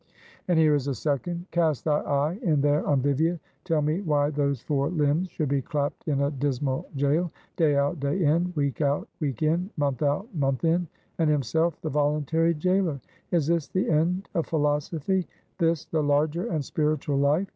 And here is a second. "Cast thy eye in there on Vivia; tell me why those four limbs should be clapt in a dismal jail day out, day in week out, week in month out, month in and himself the voluntary jailer! Is this the end of philosophy? This the larger, and spiritual life?